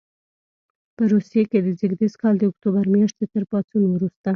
په روسیې کې د زېږدیز کال د اکتوبر میاشتې تر پاڅون وروسته.